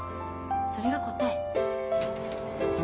それが答え。